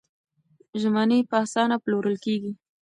ژمنې په اسانه پلورل کېږي.